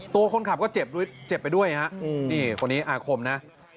ตัวคนขับก็เจ็บไปด้วยครับนี่คนนี้อาคมนะ